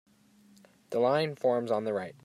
The line forms on the right.